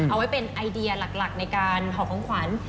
เอาไว้เป็นไอเดียหลักในการห่อของขวัญ